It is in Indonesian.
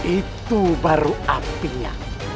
itu baru apinya